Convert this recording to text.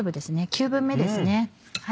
９分目です。